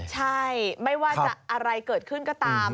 ใช่ไม่ว่าจะอะไรเกิดขึ้นก็ตาม